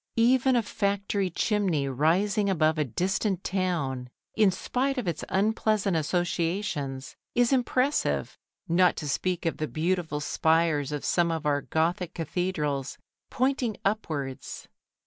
Even a factory chimney rising above a distant town, in spite of its unpleasant associations, is impressive, not to speak of the beautiful spires of some of our Gothic cathedrals, pointing upwards.